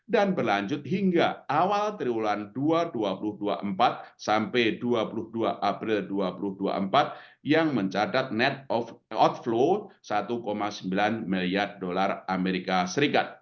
dan berlanjut hingga awal triwulan dua dua ribu dua puluh empat sampai dua puluh dua april dua ribu dua puluh empat yang mencatat net outflow satu sembilan miliar dolar as